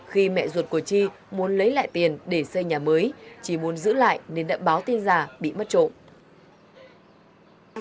khi mẹ ruột của chi muốn lấy lại tiền để xây nhà mới chi muốn giữ lại nên đã báo tin giả bị mất trộm